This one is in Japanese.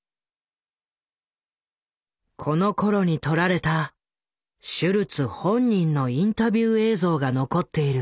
このころに撮られたシュルツ本人のインタビュー映像が残っている。